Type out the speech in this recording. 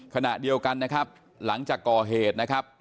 ขณะเดียวกันนะครับหลังจากก่อเหตุนะครับ